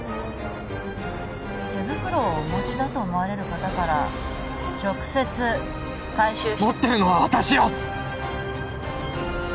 手袋をお持ちだと思われる方から直接回収して持ってるのは私よ！